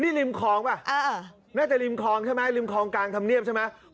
นี่ริมคลองป่ะน่าจะริมคลองใช่ไหมริมคลองกลางธรรมเนียบใช่ไหม